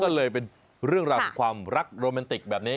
ก็เลยเป็นเรื่องราวของความรักโรแมนติกแบบนี้